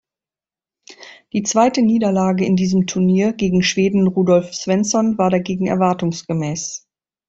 Die zweite Niederlage in diesem Turnier gegen den Schweden Rudolf Svensson war dagegen erwartungsgemäß.